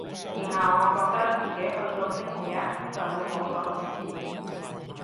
然後我覺得自己去到星期一就會冇咗件事